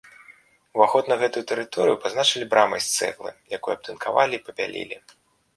Уваход на гэтую тэрыторыю пазначылі брамай з цэглы, якую абтынкавалі і пабялілі.